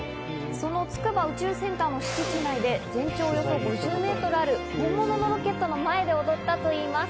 その筑波宇宙センターの敷地内で全長およそ５０メートルある本物のロケットの前で踊ったといいます。